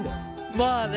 まあね。